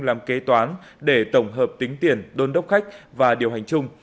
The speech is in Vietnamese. làm kế toán để tổng hợp tính tiền đôn đốc khách và điều hành chung